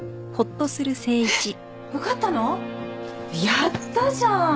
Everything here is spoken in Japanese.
やったじゃん。